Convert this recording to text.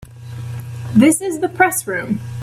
This is the Press Room.